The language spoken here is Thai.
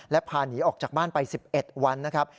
และพาหนีออกจากบ้านไป๑๑วันนะครับ